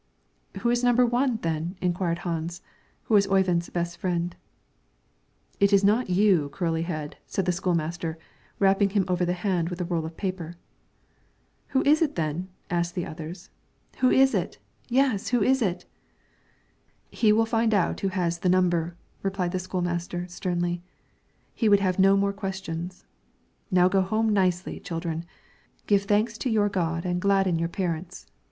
"Who is number one, then?" inquired Hans, who was Oyvind's best friend. "It is not you, curly head!" said the school master, rapping him over the hand with a roll of paper. "Who is it, then?" asked others. "Who is it? Yes; who is it?" "He will find that out who has the number," replied the school master, sternly. He would have no more questions. "Now go home nicely, children. Give thanks to your God and gladden your parents.